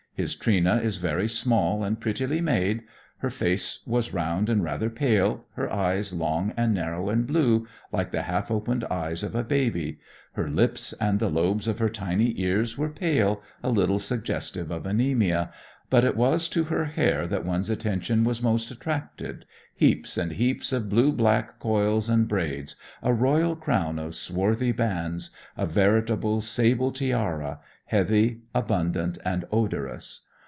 His Trina is "very small and prettily made. Her face was round and rather pale; her eyes long and narrow and blue, like the half opened eyes of a baby; her lips and the lobes of her tiny ears were pale, a little suggestive of anaemia. But it was to her hair that one's attention was most attracted. Heaps and heaps of blue black coils and braids, a royal crown of swarthy bands, a veritable sable tiara, heavy, abundant and odorous.